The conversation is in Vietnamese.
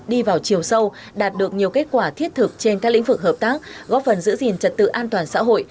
đi vào chiều sâu đạt được nhiều kết quả thiết thực trên các lĩnh vực hợp tác góp phần giữ gìn trật tự an toàn xã hội